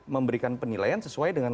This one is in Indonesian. memberikan penilaian sesuai dengan